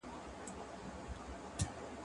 زه مخکي خبري کړي وو؟!